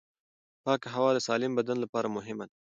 پاکه هوا د سالم بدن لپاره مهمه ده.